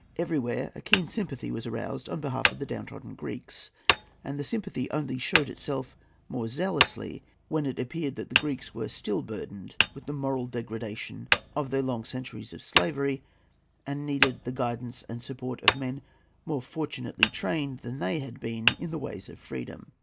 Everywhere a keen sympathy was aroused on behalf of the down trodden Greeks; and the sympathy only showed itself more zealously when it appeared that the Greeks were still burdened with the moral degradation of their long centuries of slavery, and needed the guidance and support of men more fortunately trained than they had been in ways of freedom.